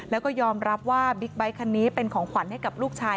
แล้วก็ยอมรับว่าบิ๊กไบท์คันนี้เป็นของขวัญให้กับลูกชาย